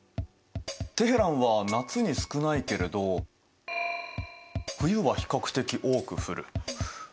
テヘランは夏に少ないけれど冬は比較的多く降る。